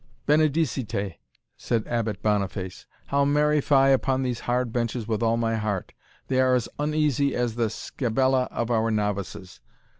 "Benedicite!" said Abbot Boniface, "now marry fie upon these hard benches with all my heart they are as uneasy as the scabella of our novices.